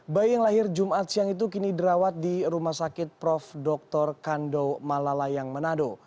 bayi yang lahir jumat siang itu kini dirawat di rumah sakit prof dr kando malalayang manado